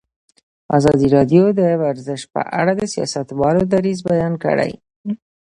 ازادي راډیو د ورزش په اړه د سیاستوالو دریځ بیان کړی.